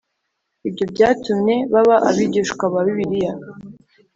Ibyo byatumye baba abigishwa ba bibiliya